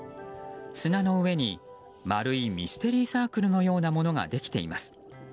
砂の上に丸いミステリーサークルのようなものができています。